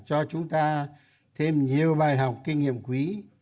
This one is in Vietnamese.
cho chúng ta thêm nhiều bài học kinh nghiệm quý